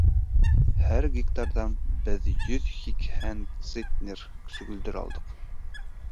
Һәр гектарҙан беҙ йөҙ һикһән центнер сөгөлдөр алдыҡ.